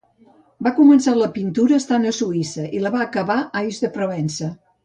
Va començar la pintura estant a Suïssa i la va acabar a Ais de Provença.